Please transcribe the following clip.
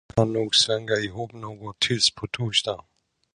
Jag kan nog svänga ihop något tills på torsdag.